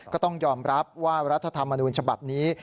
ก็ต้องยอมรับว่ารัฐธรรมนูญฉบับนี้